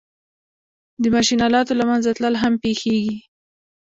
د ماشین آلاتو له منځه تلل هم پېښېږي